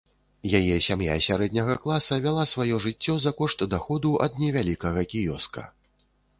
Яе сям'я з сярэдняга класа, вяла сваё жыццё за кошт даходу ад невялікага кіёска.